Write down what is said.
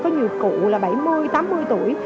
có nhiều cụ là bảy mươi tám mươi tuổi